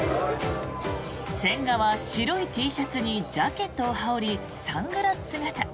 千賀は白いＴシャツにジャケットを羽織りサングラス姿。